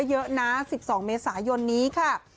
เยอะนะ๑๒เมษายนนี้ค่ะ